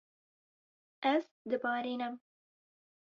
Ez dibarînim.